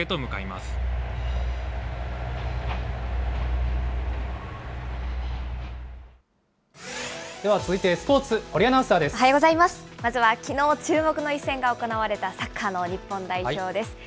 まずはきのう、注目の一戦が行われた、サッカーの日本代表です。